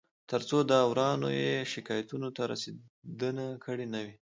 تر څو داورانو یې شکایتونو ته رسېدنه کړې نه وي